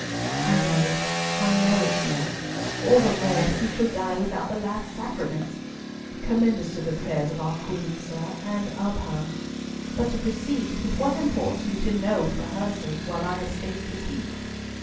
"I know it, I know it, sir. All the more that we shall die without the last sacraments. Commend us to the prayers of our Queen, sir, and of her. But to proceed with what imports you to know for her sake, while I have space to speak."